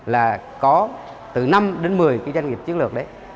là có từ năm đến một mươi cái doanh nghiệp chiến lược đấy